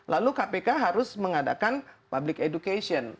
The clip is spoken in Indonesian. lalu kpk harus mengadakan public education